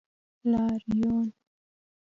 لاریون